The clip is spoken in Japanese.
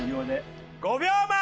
５秒前！